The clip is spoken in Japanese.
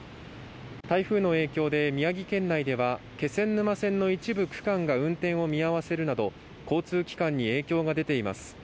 台風の影響で宮城県内では気仙沼線の一部区間が運転を見合わせるなど交通機関に影響が出ています